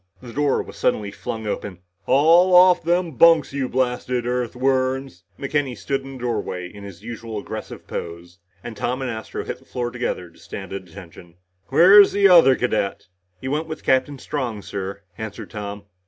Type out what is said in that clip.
The door was suddenly flung open. "Haul off them bunks, you blasted Earthworms!" McKenny stood in the doorway in his usual aggressive pose, and Tom and Astro hit the floor together to stand at attention. "Where's the other cadet?" "He went with Captain Strong, sir," answered Tom.